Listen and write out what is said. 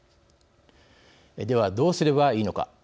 では、どうすればいいのか。